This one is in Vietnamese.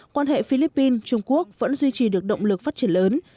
quan hệ philippines trung quốc vẫn duy trì được động lực phát triển lớn